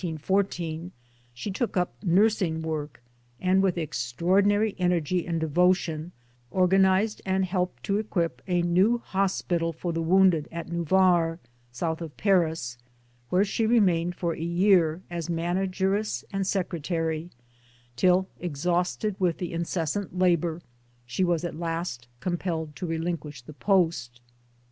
27 "6 MY DAYS AND DREAMS of the War in 1914 she took up Nursing] work', and with extraordinary energy and devotion organized and helped to equip a new Hospital for the Wounded at Nevers, south of Paris, where she remained for a year as Manageress and Secretary, till exhausted with the incessant labour she was at last compelled to relinquish the post.